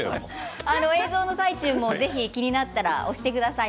映像の最中もぜひ気になったら押してください。